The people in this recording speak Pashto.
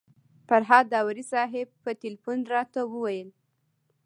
فرهاد داوري صاحب په تیلفون راته وویل.